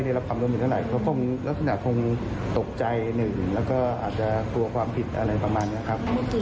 แต่ทางท่องหลวงไม่ได้เป็นการควบคุมตัวไว้หรือว่า